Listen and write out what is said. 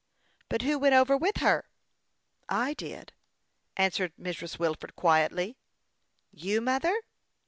" But who went over with her ?"" I did," answered Mrs. Wilford, quietly. "You, mother?"